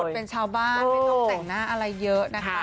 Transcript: เป็นชาวบ้านไม่ต้องแต่งหน้าอะไรเยอะนะคะ